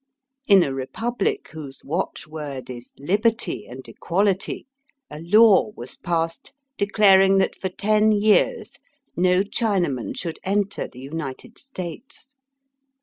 In a Republic whose watchword is liberty and equality a law was passed declaring that for ten years no China man should enter the United States.